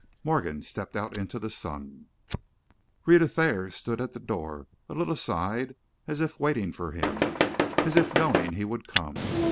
Morgan stepped out into the sun. Rhetta Thayer stood at the door, a little aside, as if waiting for him, as if knowing he would come.